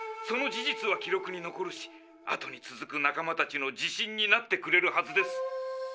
その事実は記録に残るし後に続く仲間たちの自信になってくれるはずです。